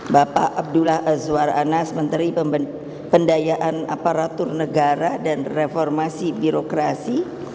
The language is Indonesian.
bapak abdullah azwar anas menteri pendayaan aparatur negara dan reformasi birokrasi